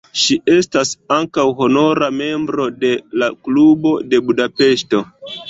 Ŝi estas ankaŭ honora membro de la Klubo de Budapeŝto.